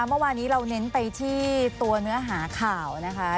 เมื่อวานนี้เราเน้นไปที่ตัวเนื้อหาข่าวนะคะ